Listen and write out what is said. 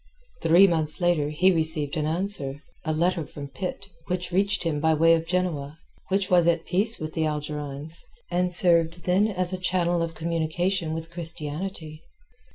Three months later he received an answer—a letter from Pitt, which reached him by way of Genoa—which was at peace with the Algerines, and served then as a channel of communication with Christianity.